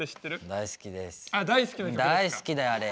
大好きだよあれ。